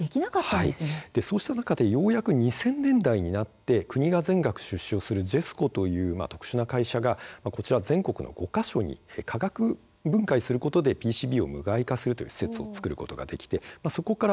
そうした中でようやく２０００年代になり国が全額出資したＪＥＳＣＯという特殊な会社が全国５か所に化学分解することでＰＣＢを無害化する施設を作ることができて、そこから